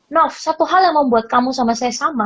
nof satu hal yang membuat kamu sama saya sama